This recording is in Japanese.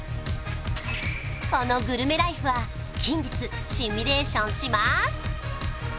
このグルメライフは近日シミュレーションします